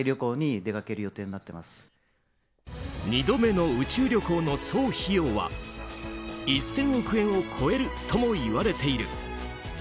２度目の宇宙旅行の総費用は１０００億円を超えるともいわれている。